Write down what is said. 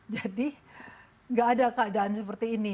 jadi gak ada keadaan seperti ini